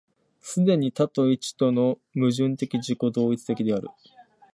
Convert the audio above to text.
既に多と一との矛盾的自己同一的である。